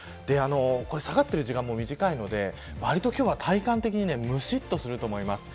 下がっている時間も短いので割と、今日は体感的にむしっとすると思います。